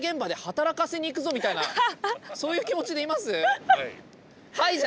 そういう気持ちでいます？